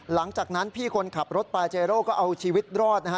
หลังจากนั้นพี่คนขับรถปาเจโร่ก็เอาชีวิตรอดนะฮะ